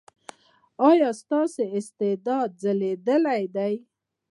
ایا ستاسو استعداد ځلیدلی دی؟